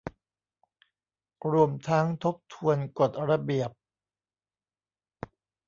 รวมทั้งทบทวนกฎระเบียบ